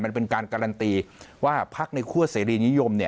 มันเป็นการการันตีว่าพักในคั่วเสรีนิยม